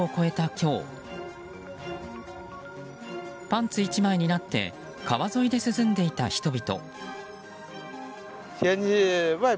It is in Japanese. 今日パンツ１枚になって川沿いで涼んでいた人々。